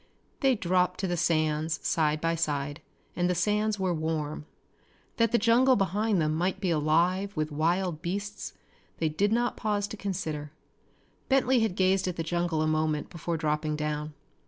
They dropped to the sands side by side, and the sands were warm. That the jungle behind them might be alive with wild beasts they did not pause to consider. Bentley had gazed at the jungle a moment before dropping down.